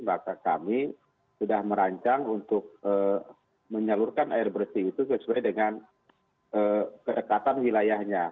maka kami sudah merancang untuk menyalurkan air bersih itu sesuai dengan kedekatan wilayahnya